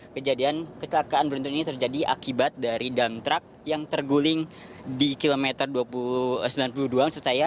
kejadian kecelakaan beruntun ini terjadi akibat dari dam truck yang terguling di kilometer sembilan puluh dua maksud saya